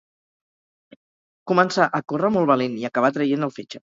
Començà a correr molt valent i acabà traient el fetge